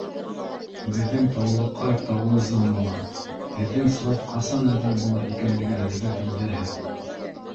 Беҙҙең Таулыҡай таулы зонала, һеҙҙең сорт ҡасан әҙер була икәнлеге әлегә билдәһеҙ